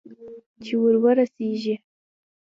چې ور ورسېږو؟